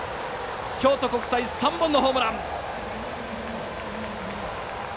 京都国際、３本のホームラン！